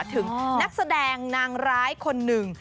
ถึงนักแสดงนางร้ายคนหนึ่ง